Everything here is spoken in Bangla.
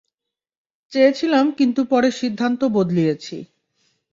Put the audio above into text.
চেয়েছিলাম কিন্তু পরে সিদ্ধান্ত বদলিয়েছি।